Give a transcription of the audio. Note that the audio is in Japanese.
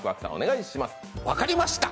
分かりました。